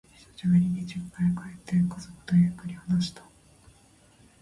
久しぶりに実家へ帰って、家族とゆっくり話した。